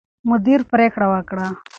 مدیر پرېکړه وکړه.